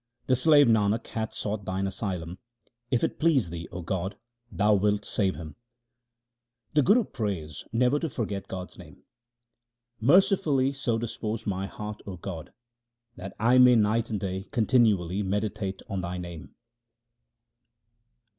The slave Nanak hath sought Thine asylum ; if it please Thee, O God, Thou wilt save him. The Guru prays never to forget God's name :— Mercifully so dispose my heart, O God, that I may night and day continually meditate on Thy name.